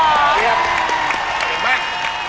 เตรียม